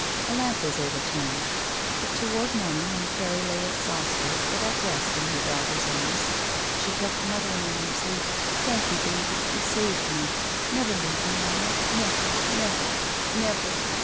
A lamp was overturned. But toward morning, when Carrie lay exhausted, but at rest in her daughter's arms, she kept muttering in her sleep : "Thank you, baby. You saved me. Never leave me. Alma. Never — ^never — ^never.